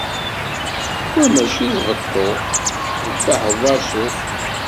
Wa mačči d beṭṭu, d baḥwasu